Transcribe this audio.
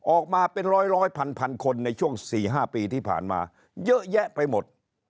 ออกมาเป็นร้อยพันคนในช่วง๔๕ปีที่ผ่านมาเยอะแยะไปหมด